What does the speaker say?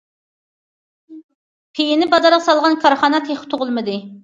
پېيىنى بازارغا سالغان كارخانا تېخى تۇغۇلمىدى.